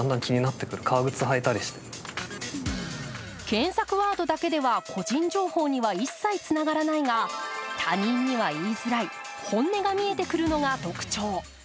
検索ワードだけでは個人情報には一切つながらないが、他人には言いづらい本音が見えてくるのが特徴。